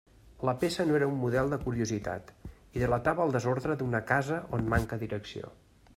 La peça no era un model de curiositat i delatava el desordre d'una casa on manca direcció.